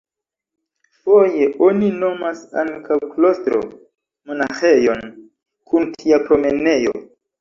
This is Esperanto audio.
Foje oni nomas ankaŭ "klostro" monaĥejon kun tia promenejo.